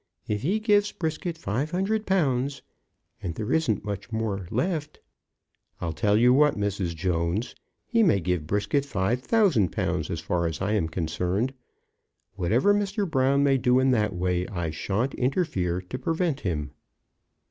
If he gives Brisket five hundred pounds, and there isn't much more left " "I'll tell you what, Mrs. Jones; he may give Brisket five thousand pounds as far as I am concerned. Whatever Mr. Brown may do in that way, I shan't interfere to prevent him."